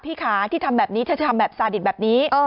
ค่ะที่ทำแบบนี้ถ้าจะทำแบบสาดิตแบบนี้